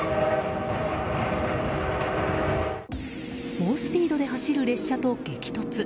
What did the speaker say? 猛スピードで走る列車と激突。